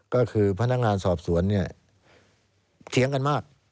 ก็คือพนักงานสอบสวนเนี่ยเถียงกันมาก